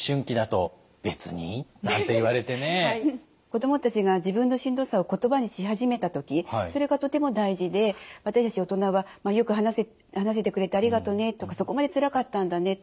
子どもたちが自分のしんどさを言葉にし始めた時それがとても大事で私たち大人は「よく話してくれてありがとうね」とか「そこまでつらかったんだね」